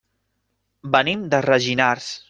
Venim de Rellinars.